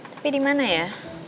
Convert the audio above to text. tapi di mana ya